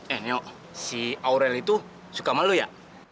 eh si aurel itu suka malu ya